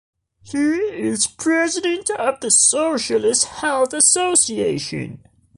He is President of the Socialist Health Association.